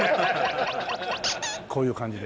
こういう感じで。